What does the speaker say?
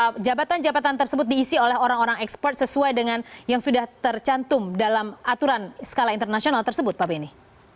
apakah jabatan jabatan tersebut diisi oleh orang orang expert sesuai dengan yang sudah tercantum dalam aturan skala internasional tersebut pak benny